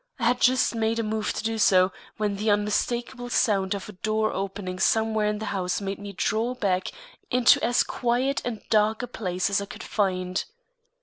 I had just made a move to do so, when the unmistakable sound of a door opening somewhere in the house made me draw back into as quiet and dark a place as I could find.